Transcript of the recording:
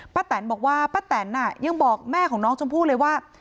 แตนบอกว่าป้าแตนยังบอกแม่ของน้องชมพู่เลยว่า